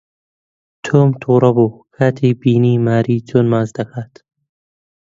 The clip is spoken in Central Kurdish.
تۆم تووڕە بوو کاتێک بینی ماری جۆن ماچ دەکات.